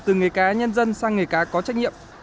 từ người cá nhân dân sang người cá có trách nhiệm